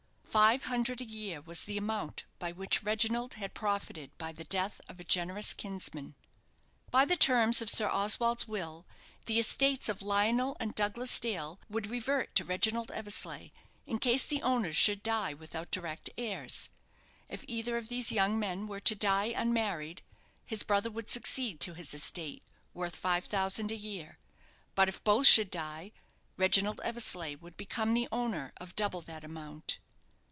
Five hundred a year was the amount by which Reginald had profited by the death of a generous kinsman. By the terms of Sir Oswald's will the estates of Lionel and Douglas Dale would revert to Reginald Eversleigh in case the owners should die without direct heirs. If either of these young men were to die unmarried, his brother would succeed to his estate, worth five thousand a year. But if both should die, Reginald Eversleigh would become the owner of double that amount.